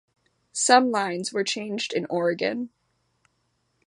Some lines were changed in Oregon.